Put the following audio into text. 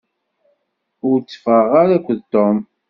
Ur teffɣeɣ ara akked Tom.